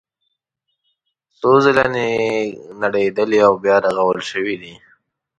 څو ځله نړېدلي او بیا رغول شوي دي.